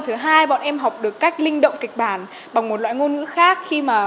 thứ hai bọn em học được cách linh động kịch bản bằng một loại ngôn ngữ khác